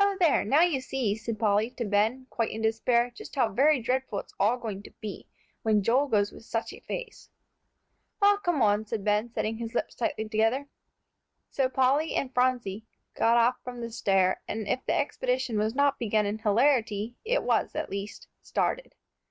"O there! now you see," said Polly to Ben, quite in despair, "just how very dreadful it's all going to be, when Joel goes with such a face." "Well, come on," said Ben, setting his lips tightly together. So Polly and Phronsie got off from the stair, and if the expedition was not begun in hilarity, it was at least started.